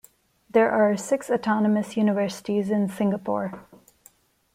There are six autonomous universities in Singapore.